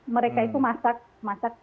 mereka itu masak masak